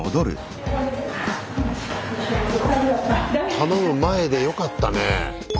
頼む前でよかったね。